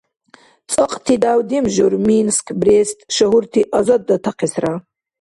ЦӀакьти дявти демжур Минск, Брест шагьурти азаддатахъесра.